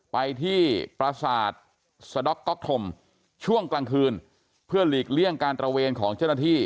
ไปที่ประสาทสด็อกก๊อกธมช่วงกลางคืนเพื่อหลีกเลี่ยงการตระเวนของเจ้าหน้าที่